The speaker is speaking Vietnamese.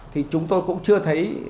thì chúng tôi cũng chưa thấy